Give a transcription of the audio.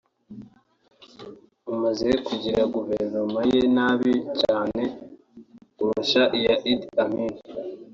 umaze kugira guverinoma ye nabi cyane kurusha iya Idi Amini